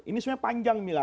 ini sebenarnya panjang nih lah